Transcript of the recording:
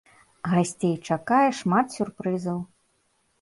Гасцей чакае шмат сюрпрызаў.